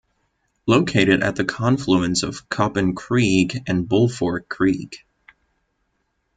Located at the confluence of Copen Creek and Bull Fork Creek.